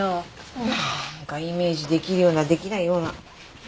なんかイメージできるようなできないような。